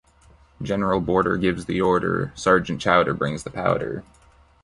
General Border gives the order, Sergeant Chowder brings the powder.